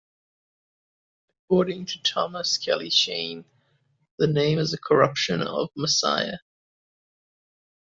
According to Thomas Kelly Cheyne, the name is a corruption of Maaseiah.